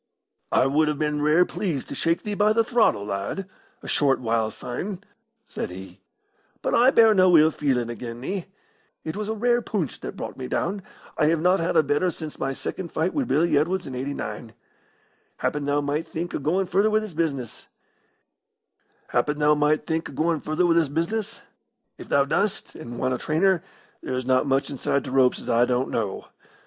"I would have been rare pleased to shake thee by the throttle, lad, a short while syne," said he. "But I bear no ill feeling again' thee. It was a rare poonch that brought me down I have not had a better since my second fight wi' Billy Edwards in '89. Happen thou might think o' goin' further wi' this business. If thou dost, and want a trainer, there's not much inside t' ropes as I don't know.